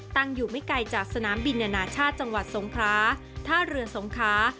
ตั้งอยู่ไม่ไกลจากสนามบินอนาชาติจังหวัดสงคราท่าเรือสงครา